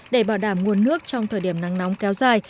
để bảo đảm nguồn nước trong thời điểm nắng nóng kéo dài